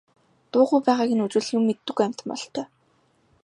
Дуугүй байгааг нь үзвэл юм мэддэггүй амьтан бололтой.